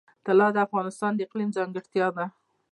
طلا د افغانستان د اقلیم ځانګړتیا ده.